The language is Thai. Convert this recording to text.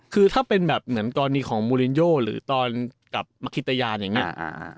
คือถ้าเป็นแบบเหมือนกรณีของมูลินโยหรือตอนกลับมาคิตยานอย่างนี้